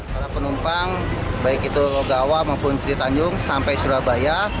para penumpang baik itu logawa maupun sri tanjung sampai surabaya